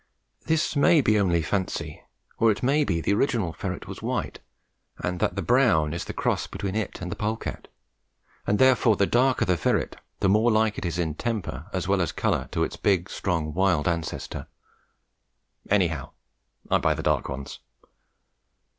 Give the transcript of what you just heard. This may be only fancy, or it may be the original ferret was white and that the brown is the cross between it and the polecat, and that therefore the darker the ferret, the more like it is in temper as well as colour to its big, strong, wild ancestor. Anyhow I buy the dark ones.